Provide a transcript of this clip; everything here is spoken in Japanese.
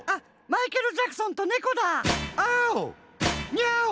ニャーオ！